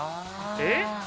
えっ？